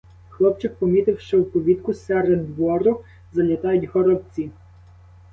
Хлопчик помітив, що в повітку серед двору залітають горобці.